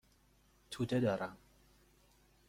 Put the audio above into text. توده دارم.